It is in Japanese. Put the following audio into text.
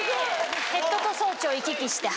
ヘッドと総長行き来して。